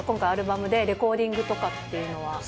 アルバムでレコーディングとかっていうのは。